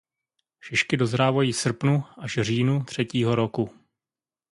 Šišky dozrávají v srpnu až říjnu třetího roku.